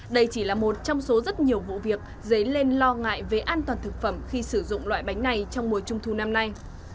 đây chỉ là một trong số rất nhiều vụ việc dấy lên lo ngại về an toàn thực phẩm khi sử dụng loại bánh này trong mùa trung thu năm nay